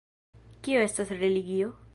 Kio estas religio?